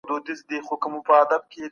بزمي خبرې خط، خال، شمع بيانوي.